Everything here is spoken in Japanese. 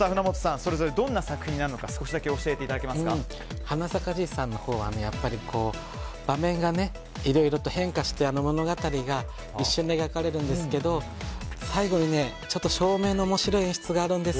それぞれどんな作品になるか「はなさかじいさん」は場面がいろいろと変化して物語が一瞬で描かれるんですけど最後にちょっと照明の面白い演出があるんです。